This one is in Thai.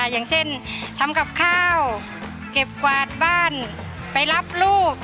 อย่างเช่นทำกับข้าวเก็บกวาดบ้านไปรับลูก